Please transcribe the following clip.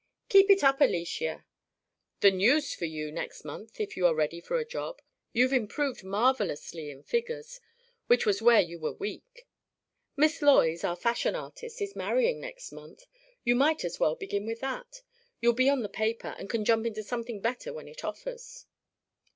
"Keep it up, Alicia. The News for you next month if you are ready for a job. You've improved marvellously in figures, which was where you were weak. Miss Loys, our fashion artist, is marrying next month. You might as well begin with that. You'll be on the paper and can jump into something better when it offers."